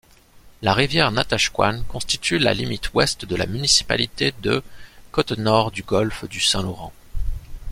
La rivière Natashquan constitue la limite ouest de la municipalité de Côte-Nord-du-Golfe-du-Saint-Laurent.